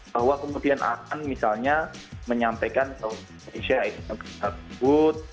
bahwa kemudian aman misalnya menyampaikan bahwa indonesia itu bisa dikut